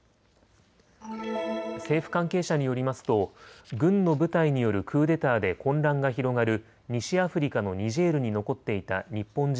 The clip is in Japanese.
政府関係者によりますと軍の部隊によるクーデターで混乱が広がる西アフリカのニジェールに残っていた日本人